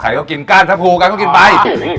ใครต้องกินกล้านท็าปูกันต้องกินไป